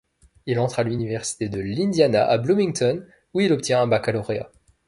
Il entre à l'Université de l'Indiana à Bloomington, où il obtient un baccalauréat.